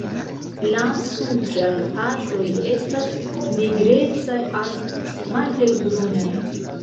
La supraj partoj estas nigrecaj al malhelbrunaj.